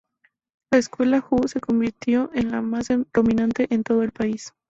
La escuela Wu se convirtió en la más dominante en todo el país.